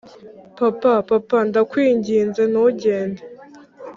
"papa, papa, ndakwinginze ntugende.